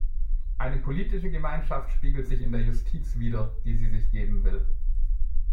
Eine politische Gemeinschaft spiegelt sich in der Justiz wider, die sie sich geben will.